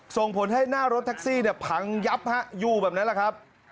ส่งผลให้หน้ารถแท็กซี่พังยับอยู่แบบนั้นแหละครับ